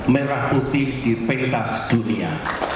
merah putih di pentas dunia